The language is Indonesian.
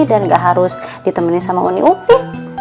dan gak harus ditemenin sama uni upi